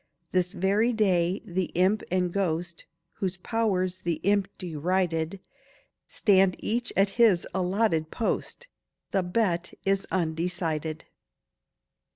This very day the imp, and ghost, Whose powers the imp derided, Stand each at his allotted post— The bet is undecided.